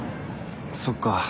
そっか。